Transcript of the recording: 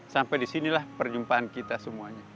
sampai disinilah perjumpaan kita semuanya